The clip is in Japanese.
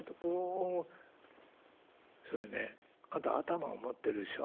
「それねあなた頭思ってるでしょ？